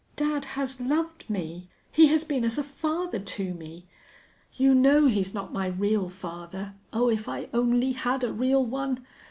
Dad has loved me. He has been as a father to me. You know he's not my real father. Oh, if I only had a real one!...